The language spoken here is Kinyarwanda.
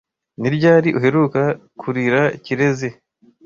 Ni ryari uheruka kurira Kirezi ?